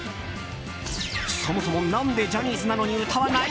そもそも何でジャニーズなのに歌わない？